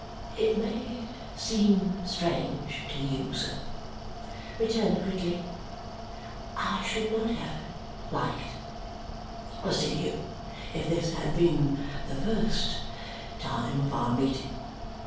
"It may seem strange to you, sir," returned Gridley; "I should not have liked to see you if this had been the first time of our meeting.